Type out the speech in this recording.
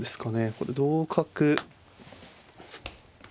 これ同角。